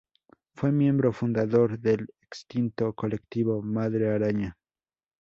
Fue miembro fundador del extinto Colectivo Madre Araña.